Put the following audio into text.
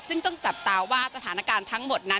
ซึ่งต้องจับตาว่าสถานการณ์ทั้งหมดนั้น